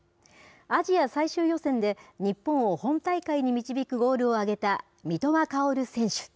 アジア最終予選で日本を本大会に導くゴールを挙げた三笘薫選手。